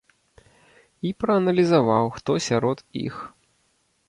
І прааналізаваў, хто сярод іх.